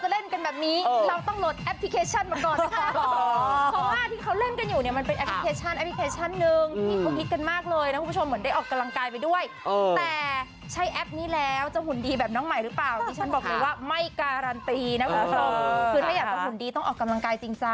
รีสุนชอบคลิปนี้มากค่ะพร้อมคลิปกันเลยค่ะรีสุนชอบคลิปนี้มาก